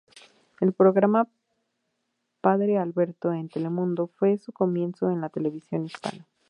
El programa Padre Alberto en Telemundo fue su comienzo en la televisión hispana.